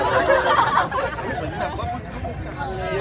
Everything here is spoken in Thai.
แม่กับผู้วิทยาลัย